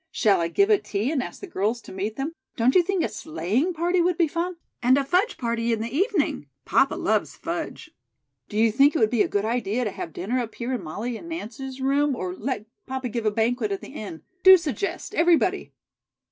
Shall I give a tea and ask the girls to meet them? Don't you think a sleighing party would be fun? And a fudge party in the evening? Papa loves fudge. Do you think it would be a good idea to have dinner up here in Molly's and Nance's room, or let papa give a banquet at the Inn? Do suggest, everybody."